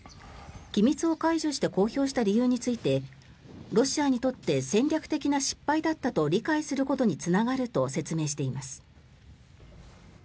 機密を解除して公表した理由についてロシアにとって戦略的な失敗だったと理解することにつながると説明しています。